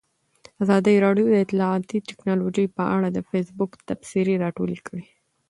ازادي راډیو د اطلاعاتی تکنالوژي په اړه د فیسبوک تبصرې راټولې کړي.